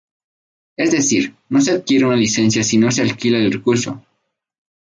Es decir, no se adquiere una licencia si no que se alquilan recursos.